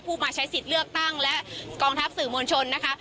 มาใช้สิทธิ์เลือกตั้งและกองทัพสื่อมวลชนนะคะ